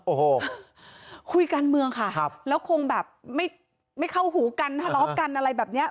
โอ้โหคุยการเมืองค่ะแล้วคงแบบไม่เข้าหูกันทะเลาะกันอะไรแบบเนี้ย